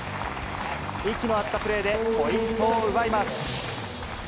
息の合ったプレーで、ポイントを奪います。